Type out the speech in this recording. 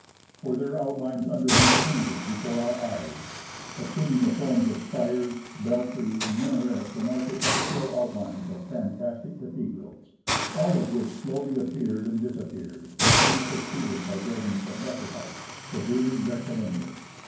For their outlines underwent changes before our eyes, assuming the forms of spires, belfries, minarets, and architectural outlines of fantastic cathedrals, all of which slowly appeared and disappeared, to be succeeded by buildings of lesser height, severely rectilinear.